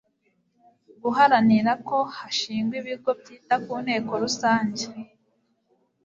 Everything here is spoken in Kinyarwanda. guharanira ko hashingwa ibigo byita kunteko rusange